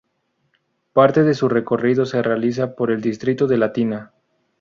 Parte de su recorrido se realiza por el distrito de Latina.